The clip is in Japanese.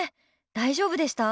大丈夫でした？